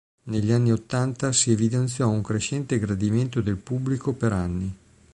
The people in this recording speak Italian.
Negli anni ottanta si evidenziò un crescente gradimento del pubblico per anni.